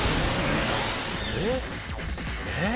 えっ？